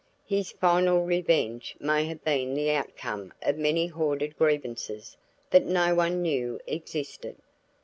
His final revenge may have been the outcome of many hoarded grievances that no one knew existed.